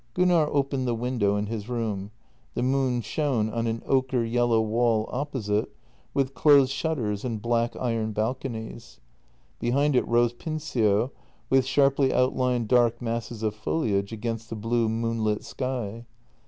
Gunnar opened the window in his room. The moon shone on an ochre yellow wall opposite, with closed shutters and black iron balconies. Behind it rose Pincio, with sharply out lined dark masses of foliage against the blue moonlit sky.